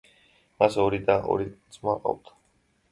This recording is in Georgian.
მას ორი და და ორი ძმა ჰყავდა.